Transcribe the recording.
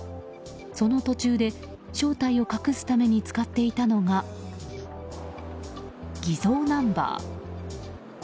その途中で正体を隠すために使っていたのが偽造ナンバー。